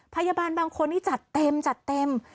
พยาบาลบางคนนี่จัดเต็มจัดเต็ม